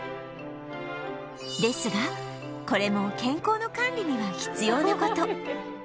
ですがこれも健康の管理には必要な事